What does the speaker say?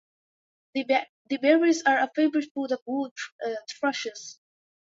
The berries are a favorite food of wood thrushes.